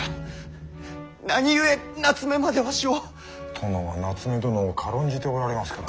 殿は夏目殿を軽んじておられますから。